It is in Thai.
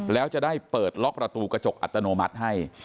แล้วจะได้เปิดล็อกประตูกระจกอัตโนมัติให้